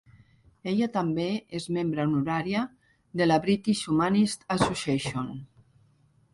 Ella també és membre honorària de la British Humanist Association.